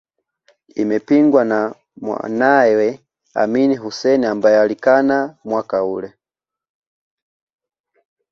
Imepingwa na mwanawe Amin Hussein ambae alikana mwaka ule